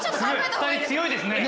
２人強いですね。